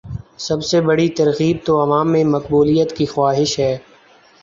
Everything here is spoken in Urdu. سب سے بڑی ترغیب تو عوام میں مقبولیت کی خواہش ہے۔